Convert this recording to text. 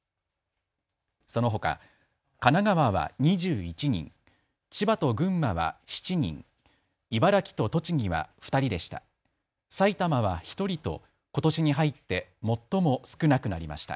そのほか神奈川は２１人、千葉と群馬は７人、茨城と栃木は２人でした。